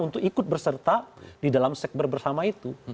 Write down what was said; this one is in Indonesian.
untuk ikut berserta di dalam sekber bersama itu